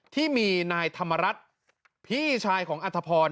ที่มีนายธรรมรัฐพี่ชายของอัธพร